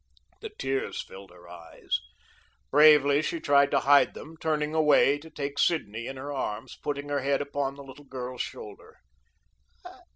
The tears filled her eyes. Bravely, she turned to hide them, turning away to take Sidney in her arms, putting her head upon the little girl's shoulder.